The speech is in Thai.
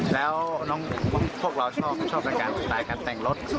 แล้วพวกเราชอบรายการสไตล์การแต่งรถ